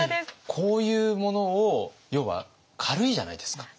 こういうものを要は軽いじゃないですか。